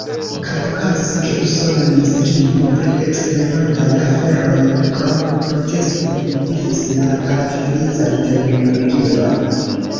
Kaj okazis, ke usona ministrino pri eksterlandaj aferoj pro protestoj modifis la karakterizan terminologion.